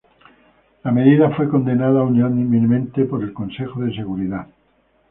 La medida fue condenada unánimemente por el Consejo de Seguridad.